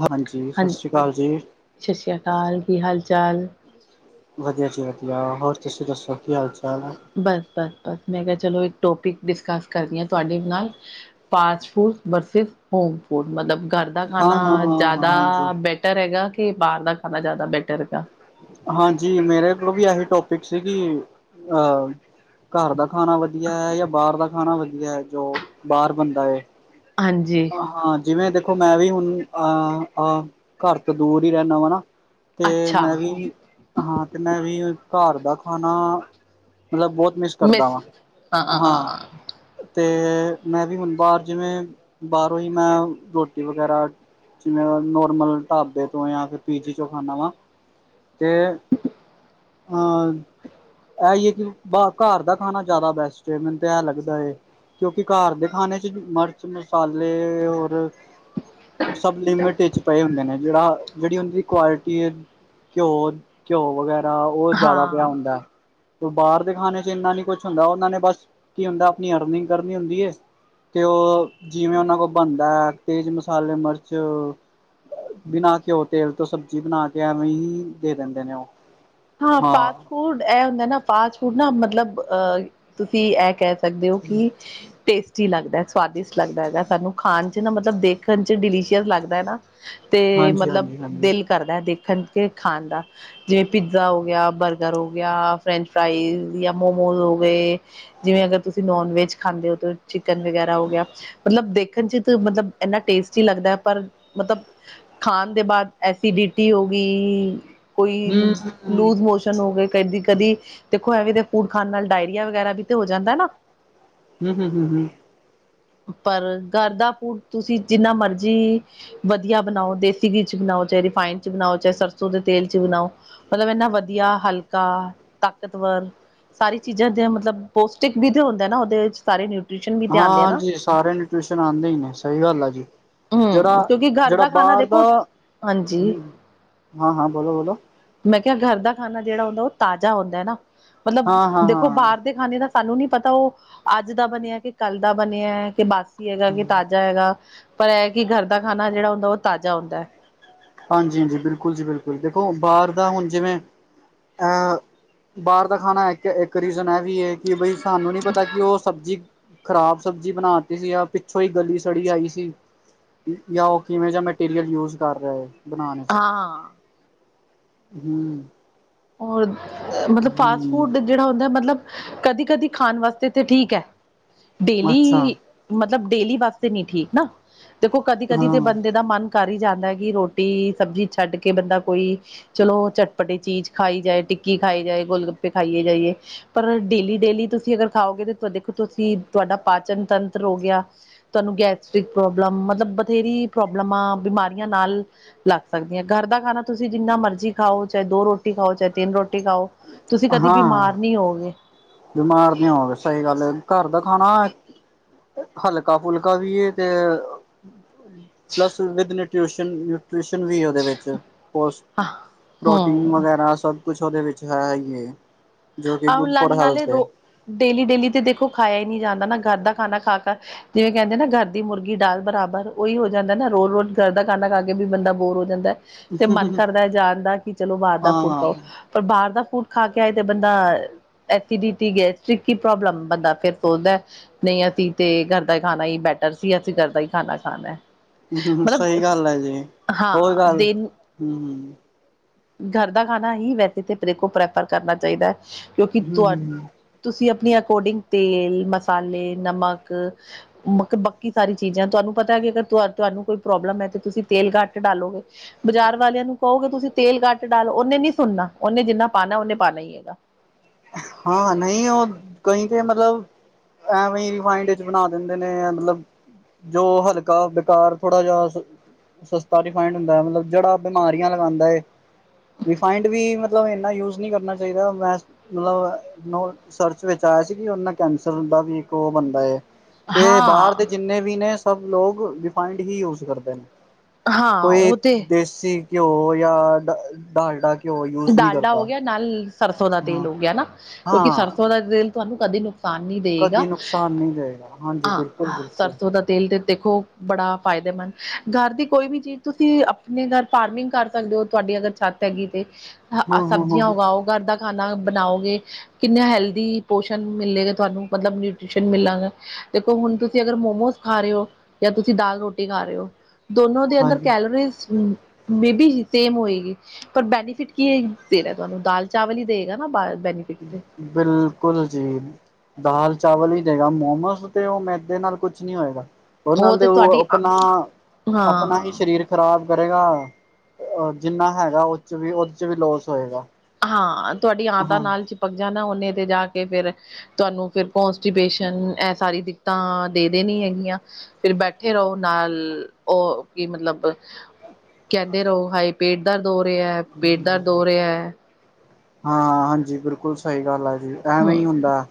ਹਾਂਜੀ, ਸਤਿ ਸ਼੍ਰੀ ਅਕਾਲ ਜੀ। ਸਤਿ ਸ੍ਰੀ ਅਕਾਲ। ਕੀ ਹਾਲ-ਚਾਲ? ਵਧੀਆ ਜੀ, ਵਧੀਆ। ਹੋਰ, ਤੁਸੀਂ ਦੱਸੋ ਕੀ ਹਾਲ-ਚਾਲ ਆ। ਬਸ, ਬਸ, ਬਸ 'ਮੈਂ ਕਿਹਾ ਚਲੋ, ਇੱਕ ਟੋਪਿਕ ਡਿਸਕਸ ਕਰਦੀ ਹਾਂ, ਤੁਹਾਡੇ ਨਾਲ ਫਾਸਟ-ਫੂਡ, ਵਰਸਿਸ ਹੋਮ-ਫੂਡ ਮਤਲਬ ਘਰ ਦਾ ਹਾਂ ਖਾਣਾ ਹਾਂ ਹਾਂ ਜ਼ਿਆਦਾ ਹਾਂ ਹਾਂਜੀ ਬ ਬੇਟਰ ਹੈਗਾ ਕਿ, ਬਾਹਰ ਦਾ ਖਾਣਾ ਜ਼ਿਆਦਾ ਬੈਟਰ ਹੈਗਾ। ਹਾਂਜੀ, ਮੇਰੇ ਕੋਲ ਵੀ ਆਹੀ ਟੋਪਿਕ ਸੀਗੀ, ਅਹ ਘਰ ਦਾ ਖਾਣਾ ਵਧੀਆ ਹੈ, ਯਾ ਬਾਹਰ ਦਾ ਖਾਣਾ ਵਧੀਆ ਹੈ, ਜੋ ਬਾਹਰ ਬਨਦਾ ਹੈ। ਹਾਂਜੀ। ਹਾਂ, ਜਿਵੇਂ ਦੇਖੋ ਮੈਂ ਵੀ ਹੁਣ, ਅਹ, ਅਂ, ਘਰ ਤੋਂ ਦੂਰ ਹੀ ਰਹਿੰਦਾ ਵਾ, ਨਾ ਤੇ ਅੱਛਾ ਮੈਂ ਵੀ, ਹਾਂ, ਤੇ ਮੈਂ ਵੀ, ਘਰ ਦਾ ਖਾਣਾ ਮਤਲਬ ਬਹੁਤ ਮੀਸ ਕਰਦਾ ਮਿਸ ਵਾਂ, ਹਾਂ, ਤੇ ਮੈਂ ਵੀ ਹੁਣ, ਬਾਹਾਰ ਜਿਵੇਂ ਬਾਹਰੋਂ ਹੀ ਮੈਂ, ਰੋਟੀ ਵਗੈਰਾ ਜਿਵੇਂ ਨੋਰਮਲ ਢਾਬੇ ਤੋਂ, ਜਾਂ ਫਿਰ ਪੀਜੀ ਚੋਂ ਖਾਂਨਾ ਵਾ। ਤੇ, ਹਂ ਇਹੀ ਹੈ ਕਿ ਘਰ ਦਾ ਖਾਣਾ ਜ਼ਿਆਦਾ ਬੈਸਟ ਮੈਨੂੰ ਤਾਂ ਇਹ ਲੱਗਦਾ ਹੈ। ਕਿਉਂਕਿ ਘਰ ਦੇ ਖਾਣੇ ਚ' ਮਿਰਚ, ਮਸਾਲੇ ਹੋਰ ਸਬ ਲਿਮਿਟ ਵਿੱਚ ਪਏ ਹੁੰਦੇ ਨੇ, ਜਿਹੜਾ ਜਿਹੜੀ ਉਹ ਦੀ ਕੁਆਲਿਟੀ ਹੈ। ਘਿਓ, ਘਿਓ ਵਗੈਰਾ ਉਹ ਜ਼ਿਆਦਾ ਪਿਆ ਹਾਂ ਹੁੰਦਾ। ਬਾਹਰ ਦੇ ਖਾਣੇ'ਚ ਇੰਨਾ ਨੀ ਕੁਛ ਹੁੰਦਾ, ਉਹਨਾਂ ਨੇ ਬਸ ਕੀ ਹੁੰਦਾ, ਆਪਣੀ ਅਰਨਿੰਗ ਕਰਨੀ ਹੁੰਦੀ। ਤੇ ਉਹ, ਜਿਵੇਂ ਉਹਨਾਂ ਕੋਲ ਬਣਦਾ ਹੈ, ਤੇਜ਼ ਮਸਾਲੇ, ਮਰਚ ਬਿਨਾ ਘਿਉ, ਤੇਲ ਤੋਂ ਸਬਜ਼ੀ ਬਣਾਕੇ ਐਵੇਂਹੀ, ਦੇ ਦਿੰਦੇ ਨੇ ਉਹ। ਹਾਂ ਫਾਸਟ-ਫੂਡ ਐ ਹੁੰਦਾ ਨਾ, ਫਾਸਟ-ਫੂਡ ਨਾ ਮਤਲਬ, ਅ ਤੁਸੀਂ ਇਹ ਕਹਿ ਸਕਦੇ ਹੋ ਕਿ, ਟੇਸਟੀ ਲੱਗਦਾ, ਸਵਾਦਿਸ਼ਟ ਲੱਗਦਾ ਹੈਗਾ, ਸਾਨੂੰ ਖਾਣ'ਚ ਨਾ ਮਤਲਬ ਦੇਖ ਖਣ 'ਚ ਡਿਲੀਸ਼ੀਅਸ ਲੱਗਦਾ ਐ ਨਾ, ਤੇ ਹਾਂਜੀ ਮਤਲਬ ਹਾਂਜੀ ਹਾਂਜੀ ਦਿਲ ਕਰਦਾ ਦੇਖਣ ਕੇ, ਖਾਣ ਦਾ, ਜੇ ਪਿੱਜ਼ਾ ਹੋ ਗਿਆ, ਬਰਗਰ ਹੋ ਗਿਆ, ਫਰੈਂਚ-ਫਰਾਾਈਜ਼ ਯਾ ਮੋਮੋਜ਼ ਹੋ ਗਏ ਜਿਵੇਂ ਅਗਰ ਤੁਸੀਂ ਨੋਨ ਵੈਜ ਖਾਂਦੇ ਹੋ ਚਿਕਨ ਵਗੈਰਾ ਹੋ ਗਿਆ। ਮਤਲਬ ਦੇ ਦੇਖਣ ਚ' ਮਤਲਬ ਇੰਨਾ ਟੇਸਟੀ ਲੱਗਦਾ ਹੈ। ਪਰ ਮਤਲਬ ਖਾਣ ਦੇ ਬਾਅਦ ਐਸੀਿਟੀ ਹੋ ਗਈ। ਕੋਈ ਹਮ ਹਮ ਲੂ ਮੋ ਹੋ ਗਏ ਕਦੀ ਦੇਖੋ ਐਵੇਂ ਫੂਡ ਖਾਣ ਨਾਲ ਡਾਇਰੀਆ ਵਗੈਰਾ ਵੀ ਤੇ ਹੋ ਜਾਂਦਾ ਨਾ। ਹਮ- ਹਮ- ਹਮ- ਹਮ ਪਰ ਗਰ ਦਾ ਫੂਡ ਤੁਸੀਂ ਜਿੰਨਾ ਮਰਜ਼ੀ ਵਧੀਆ ਬਣਾਓ ਦੇਸੀ ਘੀ ਚ' ਬਣਾਓ, ਚਾਹੇ ਰਿਫਡ ਚ' ਬਣਾਓ, ਚਾਹੇ ਸਰਸੋਂ ਦੇ ਤੇਲ ਚ' ਬਣਾਓ। ਮਤਲਬ ਇਨਾ ਵਧੀਆ। ਹਲਕਾ ਤਾਕਤਵਰ। ਸਾਰੀ ਚੀਜ਼ਾਂ ਮਤਲਬ ਪੌਸ਼ਟਿਕ ਵੀ ਤਾਂ ਹੁੰਦੀ ਨਾ ਉਹਦੇ ਵਿੱਚ। ਸਾਰੇ ਨਿਊਟ੍ਰਿਸ਼ਨ ਹਾਂ, ਜੀ ਸਾਰਿਆਂ ਨੂੰ ਟਿਊਸ਼ਨ ਆਉਂਦੇ ਹੀ ਨੇ ਸਹੀ ਗੱਲ ਆ ਜੀ। ਹਮ ਜਿਹੜਾ ਕਿਉਂਕਿ ਘਰ -ਜਿਹੜਾ ਦਾ ਖਾਣਾ ਬਾਹਰ ਦਾ। ਦੇਖੋ ਹਾਂਜੀ ਹਾਂ- ਹਾਂ ਬੋਲੋ- ਬੋਲੋ। ਮੈਂ ਕਿਹਾ ਘਰ ਦਾ ਖਾਣਾ ਜਿਹੜਾ ਹੁੰਦਾ ਉਹ ਤਾਜ਼ਾ ਹੁੰਦਾ ਹੈ ਨਾ। ਮਤਲਬ ਦੇਖੋ ਹਾਂ-ਹਾਂ-ਹਾਂ। ਬਾਹਰ ਦੇ ਖਾਨੇ ਦਾ ਸਾਨੂੰ ਨੀ ਪਤਾ ਉਹ ਅੱਜ ਦਾ ਬਣਿਆ। ਕਿ ਕੱਲ੍ਹ ਦਾ ਬਣਿਆ। ਕਿ ਬਸ ਕੀ ਹੈਗਾ ਕਿ ਤਾਜ਼ਾ ਹੈਗਾ। ਪਰ ਇਹ ਕਿ ਘਰ ਦਾ ਖਾਣਾ ਜਿਹੜਾ ਹੁੰਦਾ ਉਹ ਤਾਜ਼ਾ ਹੁੰਦਾ ਹੈ। ਹਾਂਜੀ -ਹਾਂਜੀ ਬਿਲਕੁਲ ਜੀ, ਬਿਲਕੁਲ ਦੇਖੋ ਬਾਹਰ ਦਾ ਹੁਣ ਜਿਵੇਂ ਹਾਂ, ਬਾਹਰ ਦਾ ਖਾਣਾ ਹੈ ਕੇ ਰੀਜ਼ਨ ਇਹ ਵੀ ਹੈ ਕਿ ਬਈ ਸਾਨੂੰ ਨੀ ਪਤਾ ਕਿ ਉਹ ਸਬਜ਼ੀ ਖ਼ਰਾਬ ਸਬਜ਼ੀ ਬਣਾ ਦਿੱਤੀ ਸੀ ਆ ਪਿੱਛੋਂ ਹੀ ਗਲੀ- ਸੜੀ ਆਈ ਸੀ। ਜਾਂ ਉਹ ਕਿਵੇਂ ਜ ਮਟੀਰੀਅਲ ਯੂਜ ਕਰ ਰਿਹਾ ਹੈ। ਹਾਂਜੀ। ਹਾਂ ਹੋਰ ਮਤਲਬ ਫਾਸ ਫੂਡ ਜਿਹੜਾ ਹੁੰਦਾ ਮਤਲਬ ਕਦੀ- ਕਦੀ ਖਾਣ ਵਾਸਤੇ ਥ ਠੀਕ ਹੈ। ਅੱਛਾ ਡੇਲੀ ਮਤਲਬ ਡੇਲੀ ਵਾਸਤੇ ਨੀ ਠੀਕ ਨਾ। ਦੇਖੋ ਕਦੀ- ਕਦੀ ਤੇ ਹਾਂ, ਬੰਦੇ ਦਾ ਮਨ ਕਰ ਹੀ ਜਾਂਦਾ ਹੈ ਕਿ ਰੋਟੀ- ਸਬਜ਼ੀ ਛੱਡ ਕੇ ਬੰਦਾ ਕੋਈ ਚਲੋ, ਚਟਪਟੇ ਚੀਜ਼ ਖਾਈ ਜਾਏ, ਟਿੱਕੀ ਖਾਈ ਜਾਏ, ਗੋਲ ਗੱਪੇ ਖਾਈਏ ਜਾਈਏ। ਪਰ ਡੇਲੀ- ਡੇਲੀ ਤੁਸੀਂ ਅਗਰ ਖਾਓਗੇ ਦੇਖੋ ਤੁਸੀਂ, ਤੁਹਾਡਾ ਪਾਚਨ ਤੰਤਰ ਹੋ ਗਿਆ। ਤੁਹਾਨੂੰ ਗੈਸਟ੍ਰਿਕ ਪ੍ਰੋਬਲਮ ਮਤਲਬ ਬਥੇਰੀ ਪ੍ਰੋਬਲਮਾਂ ਬਿਮਾਰੀਆਂ ਨਾਲ ਲੱਗ ਸਕਦੀਆਂ। ਘਰ ਦਾ ਖਾਣਾ ਤੁਸੀਂ ਜਿੰਨਾ ਮਰਜ਼ੀ ਖਾਓ ਚਾਹੇ ਦੋ ਰੋਟੀ ਦੋ ਰੋਟੀ ਖਾਓ, ਚਾਹੇ ਤਿੰਨ ਰੋਟੀ ਖਾਓ। ਤੁਸੀਂ ਕਦੇ ਹਾਂ। ਬਿਮਾਰ ਨਹੀਂ ਹੋਗੇ। ਬਿਮਾਰ ਨੀ ਹੋਵੇ, ਸਹੀ ਗੱਲ। ਘਰ ਦਾ ਖਾਣਾ। ਹਲਕਾ- ਫੁਲਕਾ ਵੀ ਤੇ ਪਲੱਸ ਵਿਦ ਨਿਸ਼ਨ ਨਿਊਟ੍ਰਸ਼ਨ ਵੀ ਉਹਦੇ ਵਿੱਚ ਹਾਂ ਹਮ ਪ੍ਰੋਟੀਨ ਵਗੈਰਾ ਸਭ ਕੁਛ ਉਹਦੇ ਵਿੱਚ ਹੈ ਹੈ ਹੀਏ। ਜੋ ਕਿ ਗੁਡ ਆਹ ਫੋਰ ਨਾਲੇ ਹੈਲਥ ਹੈ। ਰੋ ਡੇਲੀ- ਡੇਲੀ ਤੇ ਦੇਖੋ ਖਾਇਆ ਹੀ ਨਹੀਂ ਜਾਂਦਾ ਨਾ। ਘਰ ਦਾ ਖਾਣਾ ਖਾ ਕਰ ਜਿਵੇਂ ਕਹਿੰਦੇ ਨਾ, ਘਰ ਦੀ ਮੁਰਗੀ ਡਾਲ ਬਰਾਬਰ ਉਹੀ ਹੋ ਜਾਂਦਾ ਨਾ ਰੋਜ਼ -ਰੋਜ਼ ਘਰ ਦਾ ਖਾਨਾ ਕਰਕੇ ਵੀ ਬੰਦਾ ਬੋਰ ਹੋ ਜਾਂਦਾ। ਤੇ ਮਨ ਕਰਦਾ ਹੈ ਜਾਣ ਦਾ ਕਿ ਚਲੋ ਬਾਹਰ ਦਾ ਫੂਡ ਹਾਂ ਖਾਉ। ਪਰ ਬਾਹਰ ਦਾ ਫੂਡ ਖਾ ਕੇ ਆਏ ਤੇ ਬੰਦੇ ਐਸਿਡਿਟੀ, ਗੈਸਟ੍ਰਿਕ ਕੀ ਪ੍ਰੋਬਲਮ ਬੰਦਾ ਫਿਰ ਸੋਚਦਾ ਨਹੀਂ, ਅਸੀਂ ਤੇ ਘਰ ਦਾ ਹੀ ਖਾਣਾ ਹੀ ਬੈਟਰ ਸੀ, ਅਸੀਂ ਘਰ ਦਾ ਹੀ ਖਾਣਾ ਖਾਣਾ। ਹੂੰ, ਮਤਲਬ ਸਹੀ ਗੱਲ ਹੈ ਜੀ ਹੋਰ ਹਾਂ ਗੱਲ ਦਿਨ ਹੂੰ ਘਰ ਦਾ ਖਾਣਾ ਹੀ ਵੈਸੇ ਤਾਂ ਮੇਰੇ ਕੋਲ ਪ੍ਰੈਫਰ ਕਰਨਾ ਚਾਹੀਦਾ ਹੈ। ਕਿਉਂਕਿ ਤੁਹਾਡੇ ਹੂੰ ਤੁਸੀਂ ਆਪਣੀ ਅਕੋਰਡਿੰਗ ਤੇਲ, ਮਸਾਲੇ ਨਮਕ ਮ ਬਾਕੀ ਸਾਰੀ ਚੀਜ਼ਾਂ ਤੁਹਾਨੂੰ ਪਤਾ ਕਿ ਅਗਰ ਤੁਹਾਨੂੰ ਕੋਈ ਪ੍ਰੋਬਲਮ ਹੈ ਤੇ ਤੁਸੀਂ ਤੇਲ ਘੱਟ ਡਾਲੋਗੇ। ਬਾਜ਼ਾਰ ਵਾਲਿਆਂ ਨੂੰ ਕਹੋਗੇ ਤੁਸੀਂ ਤੇਲ ਕੱਟ ਡਾਲੋ, ਉਹਨੇ ਨੀ ਸੁਣਨਾ ਉਹਨੇ ਜਿੰਨਾ ਪਾਉਣਾ ਉਹਨੇ ਪਾਉਣਾ ਹੀ ਹੈਗਾ। ਹਾਂ, ਨਹੀਂ ਉਹ ਕਹੀ ਕੇ ਮਤਲਬ ਐਵੇਂ ਹੀ ਰਿਫੰਡ ਵਿੱਚ ਬਣਾ ਦਿੰਦੇ ਨੇ ਮਤਲਬ। ਜੋ ਹਲਕਾ ਬੇਕਾਰ ਥੋੜਾ ਜਿਹਾ ਸਸਤਾ ਡਫਡ ਹੁੰਦਾ। ਮਤਲਬ ਜਿਹੜਾ ਬਿਮਾਰੀਆਂ ਲਗਾਉਂਦਾ ਹੈ। ਰਿਫਾਇੰਡ ਵੀ ਮਤਲਬ ਇਨਾ ਯੂਜ ਨਹੀਂ ਕਰਨਾ ਚਾਹੀਦਾ। ਮੈਂ ਮਤਲਬ ਸਰਚ ਵਿੱਚ ਆਇਆ ਸੀ ਕਿ ਉਹ ਨਾਲ ਕੈਂਸਰ ਦਾ ਵੀ ਇੱਕ ਉਹ ਬੰਦਾ ਤੇ ਬਾਹਰ ਹਾਂ ਦੇ ਜਿੰਨੇ ਵੀ ਨੇ ਸਭ ਲੋਕ ਰਿਫਾਈੰਡ ਹੀ ਯੂਜ ਕਰਦੇ ਨੇ। ਹਾਂ ਕੋਈ ਉਹ ਤੇ ਦੇਸੀ ਘਿਓ ਜਾਂ ਡਾਲਡਾ ਘਿਓ ਯੂਜ ਨਹੀਂ ਡਾਲਡਾ ਹੋ ਕਰਦਾ। ਗਿਆ ਨਾਲ ਸਰਸੋਂ ਦਾ ਤੇਲ ਹਾਂ ਹੋ ਗਿਆ ਨਾ ਕਿਉਂਕਿ ਹਾਂ ਸਰਸੋਂ ਦਾ ਤੇਲ ਤੁਹਾਨੂੰ ਕਦੇ ਨੁ ਨੁਕਸਾਨ ਦੇਏਗਾ ਕਦੀ ਨੁਕਸਾਨ ਨਹੀਂ ਦੇਵੇਗਾ ਹਾਂਜੀ ਬਿਲਕੁਲ ਹਾਂ ਬਿਲਕੁਲ। ਸਰਸੌ ਦਾ ਤੇਲ ਤੇ ਦੇਖੋ ਬੜਾ ਫਾਇਦੇਮੰਦ ਘਰ ਦੀ ਕੋਈ ਵੀ ਚੀਜ਼ ਤੁਸੀਂ ਆਪਣੇ ਘਰ ਫਾਰਮਿੰਗ ਕਰ ਸਕਦੇ ਹੋ ਤੁਹਾਡੀ ਅਗਰ ਛੱਤ ਹੈਗੀ ਤੇ ਹੂੰ ਹੂੰ ਹੂੰ ਸਬਜ਼ੀਆਂ ਉਗਾਓ ਘਰ ਦਾ ਖਾਣਾ ਬਣਾਓਗੇ। ਕਿੰਨੇ ਹੈਲਦੀ ਪੋਸ਼ਣ ਮਿਲੇਗਾ ਤੁਹਾਨੂੰ ਮਤਲਬ ਨਿਊਟ੍ਰੀਸ਼ਨ ਮਿਲਾਂਗਾ। ਦੇਖੋ ਹੁਣ ਤੁਸੀਂ ਅਗਰ ਮੋਮੋਸ ਖਾ ਰਹੇ ਹੋ ਜਾਂ ਤੁਸੀਂ ਦਾਲ ਰੋਟੀ ਖਾ ਰਹੇ ਹੋ। ਦੋਨੋ ਦੇ ਅੰਦਰ ਹਾਂਜੀ। ਕੈਲੋਰੀ ਮੇਬੀ ਸੇਮ ਹੋਏਗੀ ਪਰ ਬੈਨਿ ਫਿਰਕੀ ਦੇਣਾ ਤੁਹਾਨੂੰ ਦਾਲ-ਚਾਵਲ ਹੀ ਦੇਗਾ ਨਾ ਬੈਨੀਫਿਟ ਤੇ। ਬਿਲਕੁਲ ਜੀ। ਦਾਲ-ਚਾਵਲ ਹੀ ਦੇਗਾ, ਮੋਮੋਸ ਤੇ ਉਹ ਮੈਦੇ ਨਾਲ ਕੁਛ ਨੀ ਹੋਏਗਾ। ਉਹਦੇ ਨਾਲ ਤੇ ਉਹ ਆਪਣਾ-ਆਪਣਾ ਹੀ ਹਾਂ ਸਰੀਰ ਖ਼ਰਾਬ ਕਰੇਗਾ ਜਿੰਨਾ ਹੈਗਾ ਉਹ ਚ ਵੀ ਉਹਦੇ ਚ ਵੀ ਲੋਸ ਹੋਏਗਾ। ਹਾਂ ਤੁਹਾਡੀ ਆਤਾਂ ਹਾਂ ਨਾਲ ਚਿਪਕ ਜਾਣਾ ਓਨੇ ਤੇ ਜਾ ਕੇ ਫੇਰ। ਤੁਹਾਨੂੰ ਫਿਰ ਕੋਨਸਟੀਪੇਸ਼ਨ ਇਹ ਸਾਰੀ ਦਿੱਕਤਾਂ ਦੇ ਦੇ ਨੀ ਹੈਗੀਆਂ। ਫਿਰ ਬੈਠੇ ਰਹੋ ਨਾਲ ਉਹ ਕੀ ਮਤਲਬ ਕਹਿੰਦੇ ਰਹੋ ਹਏ। ਪੇਟ ਦਰਦ ਹੋ ਰਿਹਾ-ਪੇਟ ਦਰਦ ਹੋ ਰਿਹਾ ਹੈ। ਹਾਂ-ਹਾਂਜੀ, ਬਿਲਕੁਲ ਸਹੀ ਗੱਲ ਹੈ ਜੀ ਐਵੇਂ ਹੀ ਹਮ ਹੁੰਦਾ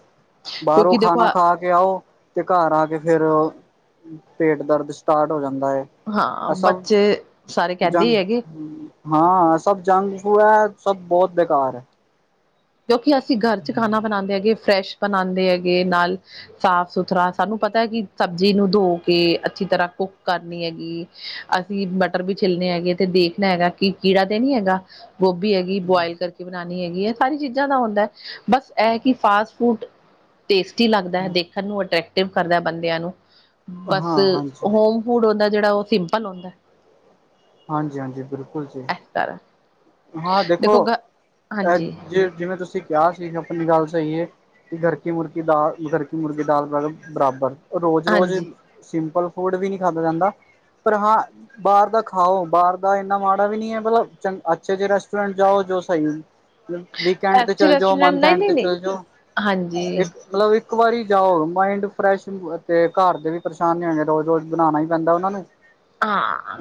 ਬਾਹਰੋਂ ਕਿਉਂਕਿ ਦੇਖੋ ਖਾਣਾ ਖਾ ਕੇ ਆਓ ਤੇ ਘਰ ਆ ਕੇ ਫਿਰ ਪੇਟ ਦਰਦ ਸਟਾਰਟ ਹੋ ਜਾਂਦਾ ਹੈ। ਹਾਂ ਅਸਲ ਬੱਚੇ ਸਾਰੇ ਕਹਿੰਦੇ ਜੰਗ ਹੀ ਹੈਗੇ ਹਾਂ, ਸਭ ਜੰਗ ਫੂਡ ਹੈ ਸਭ ਬਹੁਤ ਬੇਕਾਰ ਹੈ। ਕਿਉਂਕਿ ਅਸੀਂ ਘਰ ਚ ਖਾਣਾ ਬਣਾਉਂਦੇ ਹੈਗੇ ਫਰੈਸ਼ ਬਣਾਉਂਦੇ ਹੈਗੇ ਨਾਲ ਸਾਫ ਸੁਥਰਾ ਸਾਨੂੰ ਪਤਾ ਹੈ ਕਿ ਸਬਜ਼ੀ ਨੂੰ ਧੋ ਕੇ ਅੱਛੀ ਤਰ੍ਹਾਂ ਕੁੱਕ ਕਰਨੀ ਹੈਗੀ। ਅਸੀਂ ਭਟਰ ਵੀ ਛਿੱਲਦੇ ਹੈਗੇ ਤੇ ਦੇਖਣਾ ਹੈਗਾ ਕਿ ਕੀੜਾ ਤੇ ਨੀ ਹੈਗਾ। ਗੋਭੀ ਹੈਗੀ ਬੁਆਇਲ ਕਰਕੇ ਬਣਾਉਣੀ ਹੈਗੀ ਹੈ। ਸਾਰੀ ਚੀਜ਼ਾਂ ਦਾ ਹੁੰਦਾ ਹੈ ਬਸ ਇਹ ਕਿ ਫਾਸਟ ਫੂਡ ਟੇਸਟੀ ਲੱਗਦਾ ਹੈ ਦੇਖ ਸਬਨੂੰ ਅਟਰ੍ਰੈਕਟਿਵ ਕਰਦਾ ਬੰਦਿਆਂ ਨੂੰ ਬਸ ਹਾਂ ਹਾਂਜੀ ਹੋਮ ਫੂਢ ਹੁੰਦਾ ਜਿਹੜਾ ਉਹ ਸਿੰਪਲ ਹੁੰਦਾ। ਹਾਂਜੀ-ਹਾਂਜੀ, ਬਿਲਕੁਲ ਜੀ। ਇਸ ਕਰਰ ਹਾਂ, ਦੇਖੋ ਅ ਹਾਂਜੀ ਜੇ ਜਿਵੇਂ ਤੁਸੀਂ ਕਿਆ ਸੀਖ ਆਪਣੀ ਗੱਲ ਸਹੀ ਹੈ ਕਿ ਘਰ ਕੀ ਮੁਰਗੀ ਦਾਲ- ਘਰ ਕੀ ਮੁਰਗੀ ਦਾਲ ਬਰਾਬਰ। ਔ, ਰੋਜ਼-ਰੋਜ਼ ਹਾਂਜੀ ਸਿੰਪਲ ਫੂਡ ਵੀ ਨਹੀਂ ਖਾਧਾ ਜਾਂਦਾ। ਪਰ ਹਾਂ ਬਾਹਰ ਦਾ ਖਾਓ ਬਾਹਰ ਦਾ ਇੰਨਾ ਮਾੜਾ ਵੀ ਨਹੀਂੀ ਹੈ ਮਤਲਬ ਚੰ ਚੰਗੇ ਰੈਸਟੋਰੈਂਟ ਜਾਓ ਜੋ ਸਈ ਵੀਕਐਂਡ ਤੇ ਐਥੇ ਚਲੇ ਜਾਓ ਰੈਸਟੋਰੈਂਟ ਮੰਥਂ ਨਹੀਂ ਐਂਡ ਨਹੀਂ ਤੇ ਨਹੀਂ ਚਲੇ ਜਾਓ ਹਾਂਜੀ ਇੱਕ ਮਤਲਬ ਇੱਕ ਵਾਰੀ ਜਾਓ ਮਾਇੰਡ ਫਰੈਸ਼ ਅਤੇ ਘਰ ਦੇ ਵੀ ਪਰੇਸ਼ਾਨੀ ਨੀ ਹੋਣੇ ਰੋਜ਼ ਰੋਜ਼ ਬਣਾਉਣਾ ਹੀ ਪੈਂਦਾ ਉਹਨਾਂ ਨੇ ਹਾਂ,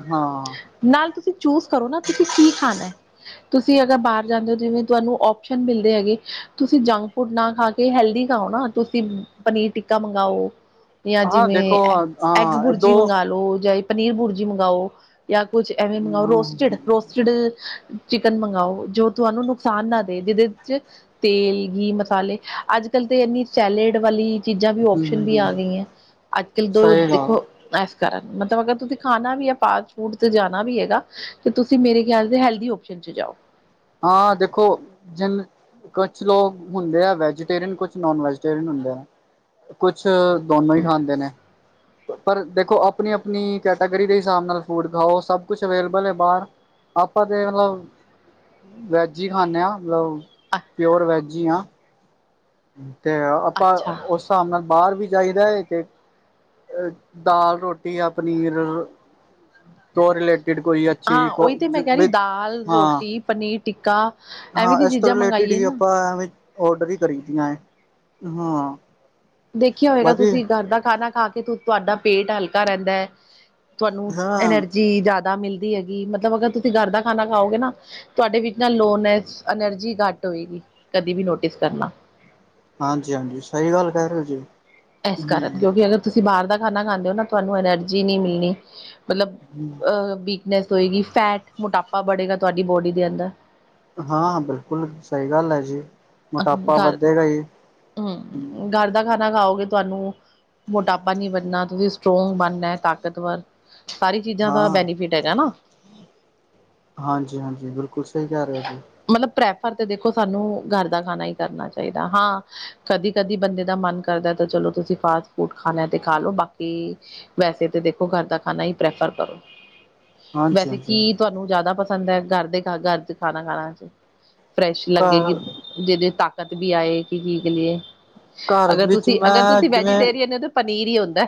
ਨਾਲ ਤੁਸੀਂ ਚੂਸ ਕਰੋ ਨਾ ਤੁਸੀਂ ਕੀ ਖਾਣਾ? ਤੁਸੀਂ ਅਗਰ ਬਾਹਰ ਜਾਂਦੇ ਹੋ ਜਿਵੇਂ ਤੁਹਾਨੂੰ ਓਸ਼ਨ ਮਿਲਦੇ ਹੈਗੇ ਤੁਸੀਂ ਜੰਕ ਫੂਡ ਨਾ ਖਾ ਕੇ ਤੇ ਹੈਲਦੀ ਖਾਓ ਨਾ ਤੁਸੀਂ ਪਨੀਰ ਟਿੱਕਾ ਮੰਗਵਾਓ। ਜਾਂ ਹਾਂ ਜਿਵੇਂ ਦੇਖੋ ਐਗ ਹਾਂ ਬੁਰਜੀ ਦੋ ਮੰਗ ਲਓ ਜਾਂ ਪਨੀਰ ਬੁਰਜੀ ਮੰਗਵਾਓ ਜਾਂ ਕੁਛ ਐਵੇਂ ਮੰਗਓ ਹਮ ਰੋਸਟੇਡ-ਰੋਸ- ਸਟਿਲ ਚਿਕਨ ਮੰਗਾਓ ਜੋ ਤੁਹਾਨੂੰ ਨੁਕਸਾਨ ਨਾ ਦੇ ਜਿਹਦੇ ਚ ਤੇਲ, ਗੀ, ਮਸਾਲੇ ਅੱਜ-ਕੱਲ ਤੇ ਇੰਨੀ ਸੈਲੇਡ ਵਾਲੀ ਚੀਜ਼ਾਂ ਵੀ ਆਪਸ਼ਨ ਵੀ ਹਮ ਆ ਗਈਆਂ ਅੱਜ-ਕੱਲ ਦੋ ਸਹੀ ਗੱਲ ਦੇਖੋ ਇਸ ਕਾਰਨ ਮਤਲਬ ਅਗਰ ਤੁਸੀਂ ਖਾਣਾ ਵੀ ਹੈ ਫਾਸ ਫੂਡ ਤੇ ਜਾਣਾ ਵੀ ਹੈਗਾ ਤੇ ਤੁਸੀਂ ਮੇਰੇ ਖਿਆਲ ਦੇ ਹੈਲਦੀ ਆਪਸ਼ਨ ਚ ਜਾਓ। ਹਾਂ, ਦੇਖੋ ਜਿਨ ਕੁਛ ਲੋਕ ਹੁੰਦੇ ਆ ਵੈਜੀਟੇਰੀਅਨ ਕੁਛ ਨੋਨ ਵੈਜੀਟੇਰੀਅਨ ਹੁੰਦੇ ਆ। ਕੁਛ [unintelligible] ਹੀ ਖਾਂਦੇ ਨੇ ਪਰ ਦੇਖੋ ਆਪਣੀ ਆਪਣੀ ਕੈਟਾਗਰੀ ਦੇ ਹਿਸਾਬ ਨਾਲ ਫੂਡ ਖਾਓ ਸਭ ਕੁਛ ਅਵੇਲੇਬਲ ਹੈ ਬਾਹਰ ਆਪਾਂ ਤਾਂ ਮਤਲਬ ਵੈਜ ਹੀ ਖਾਂਦੇ ਹਾਂ ਮਤਲਬ ਪਿਓਰ ਵੈੱਜ ਹੀ ਹਾਂ ਤੇ ਆਪਾਂ ਅੱਛਾ ਉਸ ਹਿਸਾਬ ਨਾਲ ਬਾਹਰ ਵੀ ਜਾਈਦਾ ਹੈ ਤੇ ਦਾਲ ਰੋਟੀ ਜਾਂ ਪਨੀਰ [unintelligible] ਤੋਂ ਰਿਲੇਟਿਡ ਕੋਈ ਹਾਂ ਅੱਛੀ ਉਹੀ ਤੇ ਮੈਂ ਕਹਿ ਰਹੀ ਵਿਦ ਦਾਲ ਹਾਂ ਰੋਟੀ ਪਨੀਰ ਟਿੱਕਾ ਐਵੇਂ ਹਾਂ ਦੀ ਇਸ ਤੋਂ ਚੀਜ਼ਾਂ ਰਿਲੇਟਿਡ ਮੰਗਾਈਏ ਹੀ ਨਾ ਆਪਾਂ ਐਵੇ ਔਡਰ ਹੀ ਕਰੀ ਦੀਆਂ ਹਾਂ ਦੇਖਿਆ ਹੋਏਗਾ ਬਾਕੀ ਤੁਸੀਂ ਘਰ ਦਾ ਖਾਣਾ ਖਾ ਕੇ ਤੁਹਾਡਾ ਪੇਟ ਹਲਕਾ ਰਹਿੰਦਾ ਐ ਤੁਹਾਨੂੰ ਹਾਂ ਐਨਰਜੀ ਜ਼ਿਆਦਾ ਮਿਲਦੀ ਹੈਗੀ ਮਤਲਬ ਅਗਰ ਤੁਸੀਂ ਘਰ ਦਾ ਖਾਣਾ ਖਾਓਗੇ ਨਾ ਤੁਹਾਡੇ ਵਿੱਚ ਨਾ ਲੋਨੈਸ ਐਨਰਜੀ ਘੱਟ ਹੋਏਗੀ ਕਦੇ ਵੀ ਨੋਟਿਸ ਕਰਨਾ ਹਾਂਜੀ ਹਾਂਜੀ ਸਹੀ ਗੱਲ ਕਹਿ ਰਹੇ ਹੋ ਜੀ ਇਸ ਕਾਰਨ ਹਮ ਕਿਉਂਕਿ ਅਗਰ ਤੁਸੀਂ ਬਾਹਰ ਦਾ ਖਾਣਾ ਖਾਂਦੇ ਹੋ ਨਾ ਤੁਹਾਨੂੰ ਐਨਰਜੀ ਨਹੀਂ ਮਿਲਣੀ ਮਤਲਬ [unintelligible] ਵੀਕਨੈਸ ਹੋਏਗੀ ਫੈਟ ਮੋਟਾਪਾ ਬੜੇਗਾ ਤੁਹਾਡੀ ਬੋਡੀ ਦੇ ਅੰਦਰ ਹਾਂ ਬਿਲਕੁਲ ਸਹੀ ਗੱਲ ਹੈ ਜੀ ਮੋਟਾਪਾ ਘਰ ਵੱਧੇਗਾ ਜੀ [unintelligible] ਹੂੰ ਹਮ [unintelligible] ਦਾ ਖਾਣਾ ਖਾਓਗੇ ਤੁਹਾਨੂੰ ਮੋਟਾਪਾ ਨੀ ਬਣਨਾ ਤੁਸੀਂ ਸਟਰੋਂਗ ਬਣਨਾ ਤਾਕਤਵਰ ਸਾਰੀ ਚੀਜ਼ਾਂ ਦਾ ਹਾਂ ਬੈਨੀਫਿਟ ਹੈਗਾ ਨਾ ਹਾਂਜੀ ਹਾਂਜੀ ਬਿਲਕੁਲ ਸਹੀ ਕਹਿ ਰਹੇ ਜੀ ਮਤਲਬ ਪ੍ਰੈਫਰ ਤੇ ਦੇਖੋ ਸਾਨੂੰ ਘਰ ਦਾ ਖਾਣਾ ਹੀ ਕਰਨਾ ਚਾਹੀਦਾ ਹਾਂ ਕਦੀ ਕਦੀ ਬੰਦੇ ਦਾ ਮਨ ਕਰਦਾ ਤਾਂ ਚਲੋ ਤੁਸੀਂ ਫਾਸਟ ਫੂਡ ਖਾਣਾ ਤੇ ਖਾ ਲੋ ਬਾਕੀ ਵੈਸੇ ਤਾਂ ਦੇਖੋ ਘਰ ਦਾ ਖਾਣਾ ਹੀ ਪ੍ਰੈਫਰ ਕਰੋ ਹਾਂਜੀ ਵੈਸੇ ਕੀ ਹਾਂਜੀ ਤੁਹਾਨੂੰ ਜ਼ਿਆਦਾ ਪਸੰਦ ਹੈ ਘਰ ਦੇ ਘਰ ਚ ਖਾਣਾ ਖਾਣਾ ਚ ਫਰੈਸ਼ ਲੱਗੇ ਘਰ ਕਿ ਜਿਹਦੇ ਚ ਤਾਕਤ ਵੀ ਆਏ ਕੀ ਕਏ ਘਰ ਅਗਰ ਵਿੱਚ ਤੁਸੀਂ ਅਗਰ ਮੈਂ ਤੁਸੀਂ ਜਿਵੇਂ ਵੈਜੀਟੇਰੀਅਨ ਹੋ ਤਾਂ ਪਨੀਰ ਹੀ ਆਉਦਾ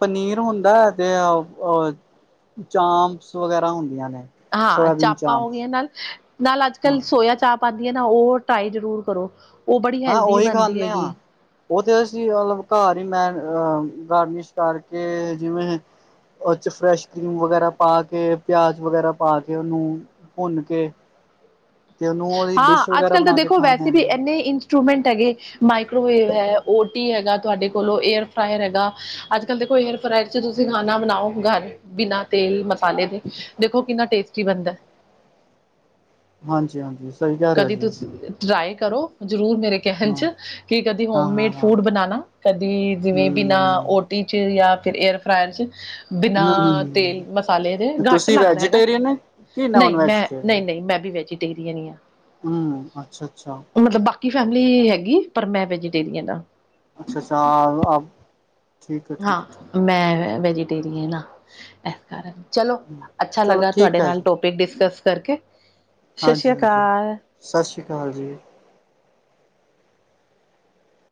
ਪਨੀਰ ਹੁੰਦਾ ਤੇ ਚਾਪ ਸ ਵਗੈਰਾ ਹੁੰਦੀਆਂ ਨੇ ਹਾਂ ਸੋਇਆਬੀਨ ਚਾਪਾਂ ਹੋ ਚਾਂਪਸ ਗਈਆਂ ਨਾਲ ਨਾਲ ਅੱਜ ਹਾਂ ਕੱਲ੍ਹ ਸੋਇਆ ਚਾਪ ਪਦੀ ਹੈ ਨਾ ਉਹ ਟਾਈ ਜ਼ਰੂਰ ਕਰੋ ਉਹ ਬੜੀ ਹਾਂ ਹੈਲਦੀ ਉਹੀ ਬਣਦੀ ਖਾਂਦੇ ਹਾਂ। ਹੈਗੀ ਉਹ ਤੇ ਅਸੀਂ ਮਤਲਬ ਘਰ ਹੀ ਮੈਂ ਅਹ ਗਾਰਨਿਸ਼ ਕਰਕੇ ਜਿਵੇਂ ਉਹ ਚ ਫਰੈਸ਼ ਕਰੀਮ ਵਗੈਰਾ ਪਾ ਕੇ ਪਿਆਜ ਵਗੈਰਾ ਪਾ ਕੇ ਉਹਨੂੰ ਭੁੰਨ ਕੇ ਤੇ ਉਹਨੂੰ ਉਹਦੀ ਹਾਂ ਡਿਸ਼ ਅੱਜ ਵਗੈਰਾ ਕੱਲ੍ਹ ਤਾਂ ਬਣਾ ਕੇ ਦੇਖੋ ਖਾਂਦੇ ਵੈਸੇ ਵੀ ਹਾਂ ਇੰਨੇ ਇੰਚ ਇੰਸਟਰੂਮੈਂਟ ਹੈਗੇ ਮਾਈਕਰੋਵੇਵ ਹੈ ਓ ਟੀ ਹੈਗਾ ਤੁਹਾਡੇ ਕੋਲੋਂ ਏਅਰ ਫਰਾਾਇਰ ਹੈਗਾ ਅੱਜ ਕੱਲ੍ਹ ਦੇ ਕੋਈ ਹੇਅਰ ਫਰਾਈ ਚ ਤੁਸੀਂ ਖਾਣਾ ਬਣਾਓ ਘਰ ਬਿਨਾਂ ਤੇਲ ਮਸਾਲੇ ਦੇ ਦੇਖੋ ਕਿੰਨਾ ਟੇਸਟੀ ਬਣਦਾ ਹਾਂਜੀ ਹਾਂਜੀ ਸਹੀ ਕਹਿ ਰਹੇ ਹੋ ਕਦੀ ਜੀ। ਤੁਸੀਂ ਟਰਾਈ ਕਰੋ ਜ਼ਰੂਰ ਮੇਰੇ ਕਹਿਣ ਹਾਂ ਚ ਕਿ ਕਦੇ ਹਾਂ ਹਾਂ ਹੋਮਮੇਡ ਹਾਂ ਫੂਡ ਬਣਾਣਾ ਕਦੀ ਜਿਵੇਂ ਹੂੰ ਬਿਨਾਂ ਟੀ ਚ ਜਾਂ ਫਿਰ ਅਰਫਰਾਾਇਰ 'ਚ ਬਿਨਾਂ ਹੂੰ ਤੇਲ ਹੂੰ ਮਸਾਲੇ ਦੇ ਘੱਟ ਤੁਸੀਂ ਲੱਗਦਾ ਹੈਗਾ ਵੈਜੀਟੇਰੀਅਨ ਕਿ ਨੋਨ ਨਹੀਂ ਮੈਂ ਨਹੀਂ ਵੈਜੀਟੇਰੀਅਨ ਨਹੀਂ ਮੈਂ ਵੀ ਵੇਜ ਡੇਰੀਆਂ ਨਹੀ ਹੂੰ ਅੱਛਾ ਅੱਛਾ ਮਤਲਬ ਬਾਕੀ ਫੈਮਿਲੀ ਹੈਗੀ ਪਰ ਮੈਂ ਵੈਜੀਟੇਰੀਅਨ ਹਾਂ [unintelligible] ਠੀਕ ਹੈ ਠੀਕ ਹੈ ਹਾਂ ਮੈਂ ਵੈਜੀਟੇਰੀਅਨ ਆਂ [unintelligible] ਚਲੋ ਠੀਕ ਅੱਛਾ ਚਲੋ ਲੱਗਾ ਠੀਕ ਤੁਹਾਡੇ ਹੈ ਨਾਲ ਜੀ ਟੋਪਿਕ ਡਿਸਕਸ ਕਰਕੇ ਸਤਿ ਸ਼੍ਰੀ ਹਾਂਜੀ ਹਾਂਜੀ ਅਕਾਲ ਸਤਿ ਸ਼੍ਰੀ ਅਕਾਲ ਜੀ